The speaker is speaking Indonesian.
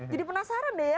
jadi penasaran deh ya